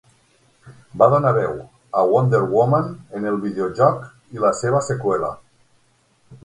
Va donar veu a Wonder Woman en el videojoc i la seva seqüela.